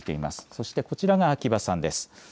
そしてこちらが秋葉さんです。